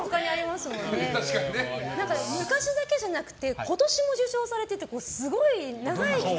昔だけじゃなくて今年も受賞されててすごい長い期間。